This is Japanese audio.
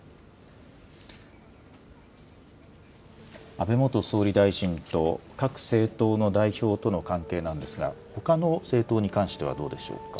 安倍元総理大臣と各政党の代表との関係なんですが、ほかの政党に関してはどうでしょうか。